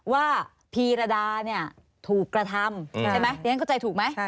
พีรดาเนี่ยถูกกระทำใช่ไหมเรียนเข้าใจถูกไหม